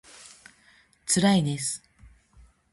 つらいです